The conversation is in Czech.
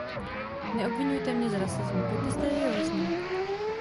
Neobviňujte mě z rasismu, buďte seriózní.